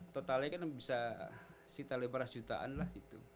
totalnya kan bisa sekitar lima ratus jutaan lah gitu